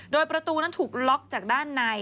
โดยประตูนั้นถูกล็อกจากด้านใน